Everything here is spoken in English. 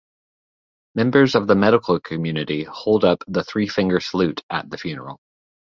Members of the medical community hold up the three finger salute at the funeral.